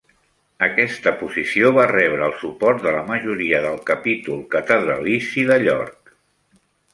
Aquesta posició va rebre el suport de la majoria del capítol catedralici de York.